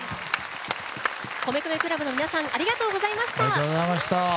米米ＣＬＵＢの皆さんありがとうございました。